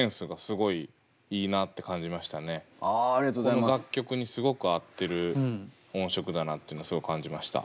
この楽曲にすごく合ってる音色だなっていうのはすごい感じました。